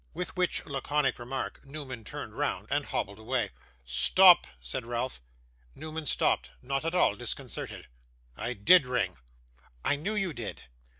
With which laconic remark Newman turned round and hobbled away. 'Stop!' said Ralph. Newman stopped; not at all disconcerted. 'I did ring.' 'I knew you did.